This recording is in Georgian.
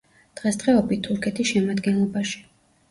დღესდღეობით თურქეთის შემადგენლობაში.